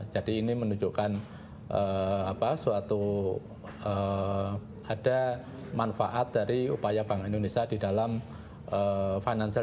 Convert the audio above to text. jadi ini menunjukkan suatu ada manfaat dari upaya bank indonesia di dalam financial